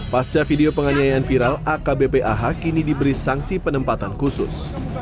pasca video penganiayaan viral akbp ah kini diberi sanksi penempatan khusus